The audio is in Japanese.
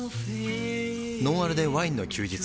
「ノンアルでワインの休日」